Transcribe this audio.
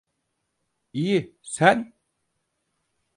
İyi, sen?